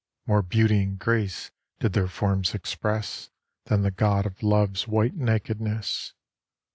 More beauty and grace did their forms express Than the God of Love's white nakedness.